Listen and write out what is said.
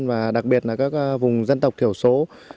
và đặc biệt là các vùng dân tộc thiểu số